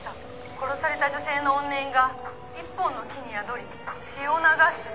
「殺された女性の怨念が一本の木に宿り血を流す」